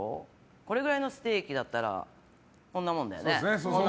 これくらいのステーキだったらこんなもんだよね。